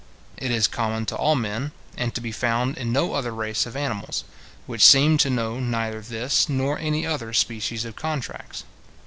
It is common to all men, and to be found in no other race of animals, which seem to know neither this nor any other species of contracts.